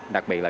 đặc biệt là